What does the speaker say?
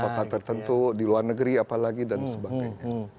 kota tertentu di luar negeri apalagi dan sebagainya